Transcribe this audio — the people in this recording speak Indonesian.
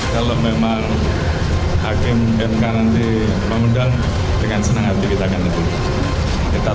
kalau memang hakim mk nanti mengundang dengan senang hati kita akan lebih